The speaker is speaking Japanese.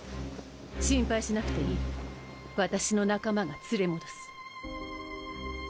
心配しなくていい私の仲間が連れ戻す。